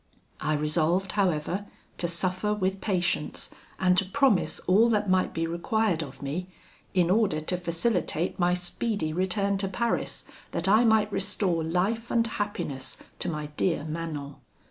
I resolved, however, to suffer with patience, and to promise all that might be required of me, in order to facilitate my speedy return to Paris, that I might restore life and happiness to my dear Manon.